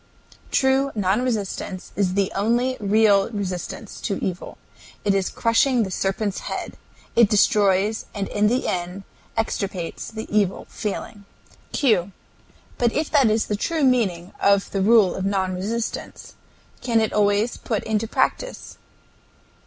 True non resistance is the only real resistance to evil. It is crushing the serpent's head. It destroys and in the end extirpates the evil feeling. Q. But if that is the true meaning of the rule of non resistance, can it always put into practice?